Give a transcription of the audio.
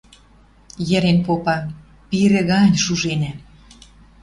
Йӹрен попа: «Пирӹ гань шуженӓм!